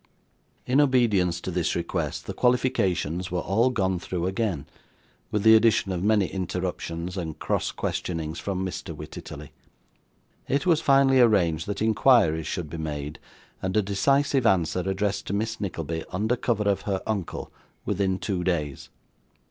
In obedience to this request, the qualifications were all gone through again, with the addition of many interruptions and cross questionings from Mr. Wititterly. It was finally arranged that inquiries should be made, and a decisive answer addressed to Miss Nickleby under cover of her uncle, within two days.